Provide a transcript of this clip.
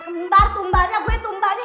bentar tumbanya gue tumbanya